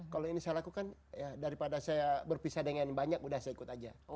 kalau ini saya lakukan daripada saya berpisah dengan banyak udah saya ikut aja